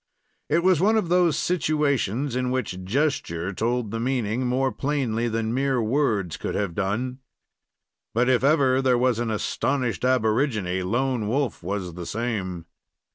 It was one of those situations in which gesture told the meaning more plainly than mere words could have done. But if ever there was an astonished aborigine, Lone Wolf was the same.